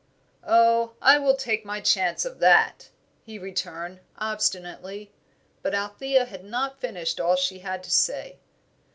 "Oh, I will take my chance of that," he returned, obstinately. But Althea had not finished all she had to say.